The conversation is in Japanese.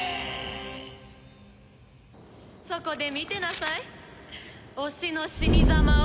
そこで見てなさい推しの死に様を。